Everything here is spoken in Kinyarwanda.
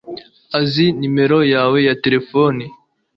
azi nomero yawe ya terefone